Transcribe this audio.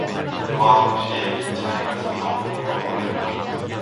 그와 동시에 기천의 가슴도 쿵 하고 울렸다.